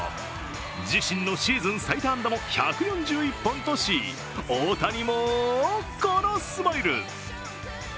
自身のシーズン最多安打も１４１本とし、大谷も、このスマイル！